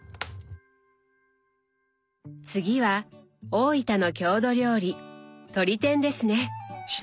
次は大分の郷土料理とり天ですね！